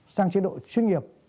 sang chế độ chuyên nghiệp